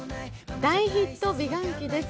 大ヒット美顔器です。